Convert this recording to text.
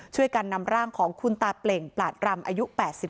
ช่วยกันนำร่างของคุณตาเปล่งปลาดรำอายุ๘๒